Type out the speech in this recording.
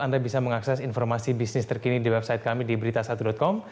anda bisa mengakses informasi bisnis terkini di website kami di berita satu com